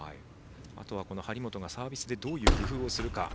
あとは張本がサービスでどういう工夫をするか。